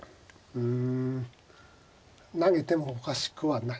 うん。